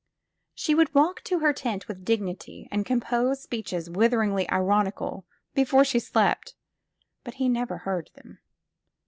She would walk to her tent with dignity and compose speeches witheringly ironical, before she slept, but he never heard them.